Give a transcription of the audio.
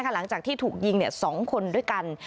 หลังจากที่ถูกยิง๒คนด้วยกัน